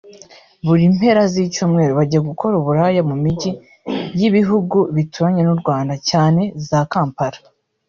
buri mpera z’icyumweru bajya gukora ubulaya mu mijyi y’ibihugu bituranye n’u Rwanda cyane za Kampala